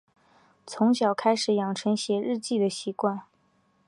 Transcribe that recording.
从小学开始养成写日记的习惯